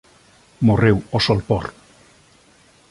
Morreu ao solpor.